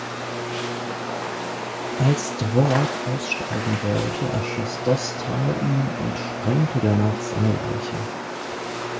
Als Dvorak aussteigen wollte, erschoss Dostal ihn und sprengte danach seine Leiche.